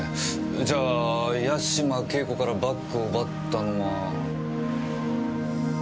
じゃあ八島景子からバッグを奪ったのは。